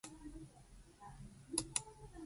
This included the League Cup final, lost to Chelsea.